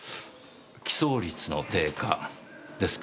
帰巣率の低下ですか。